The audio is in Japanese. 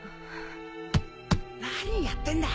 何やってんだ！？